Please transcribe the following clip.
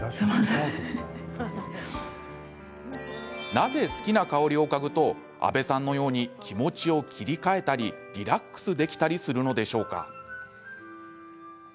なぜ好きな香りを嗅ぐと阿部さんのように気持ちを切り替えたりリラックスできたりするのでしょうか？